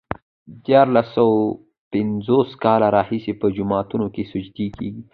د دیارلس سوه پنځوس کاله راهيسې په جوماتونو کې سجدې کېږي.